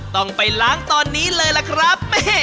ต้องไปล้างตอนนี้เลยล่ะครับ